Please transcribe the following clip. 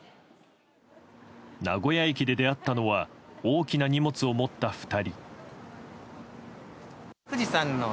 名古屋駅で出会ったのは大きな荷物を持った２人。